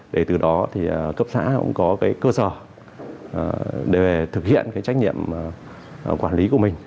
để từ đó cấp xã cũng có cơ sở để thực hiện trách nhiệm quản lý của mình